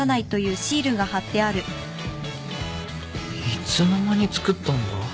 いつの間に作ったんだ？